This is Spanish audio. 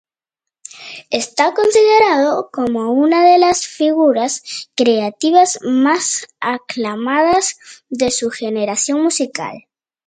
Está considerado como una de las figuras creativas más aclamadas de su generación musical.